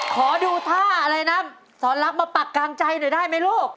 ขอดูท่าอะไรนะสอนลักษณ์มาปักกลางใจหน่อยได้ไหมลูก